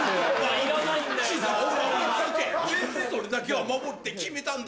それだけは守るって決めたんだ